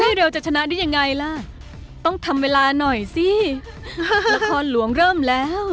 เร็วจะชนะได้ยังไงล่ะต้องทำเวลาหน่อยสิละครหลวงเริ่มแล้ว